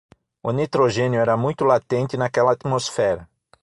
O nitrogênio era muito latente naquela atmosfera